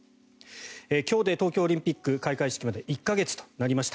今日で東京オリンピック開会式まで１か月となりました。